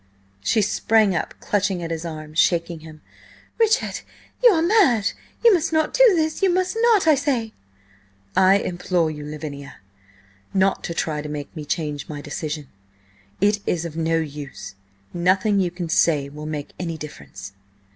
She sprang up, clutching at his arm, shaking him. "Richard, you are mad! You must not do this! You must not, I say!" "I implore you, Lavinia, not to try to make me change my decision. It is of no use. Nothing you can say will make any difference."